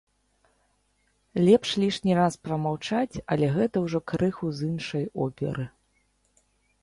Лепш лішні раз прамаўчаць, але гэта ўжо крыху з іншай оперы.